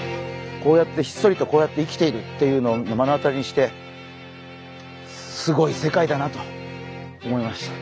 ひっそりとこうやって生きているっていうのをまのあたりにしてすごい世界だなと思いました。